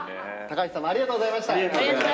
橋さんありがとうございました。